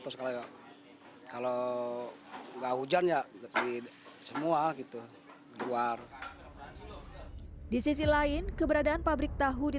terus kalau enggak hujan ya tapi semua gitu luar di sisi lain keberadaan pabrik tahu di